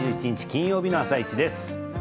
金曜日の「あさイチ」です。